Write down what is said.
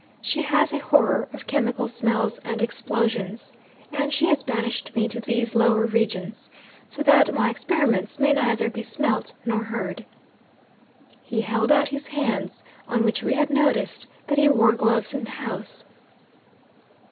She has a horror of chemical smells and explosions and she has banished me to these lower regions, so that my experiments may neither be smelt nor heard." He held out his hands, on which we had noticed that he wore gloves in the house.